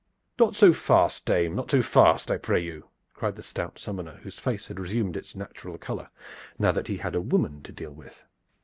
"Nay, not so fast, dame, not so fast, I pray you!" cried the stout summoner, whose face had resumed its natural color, now that he had a woman to deal with.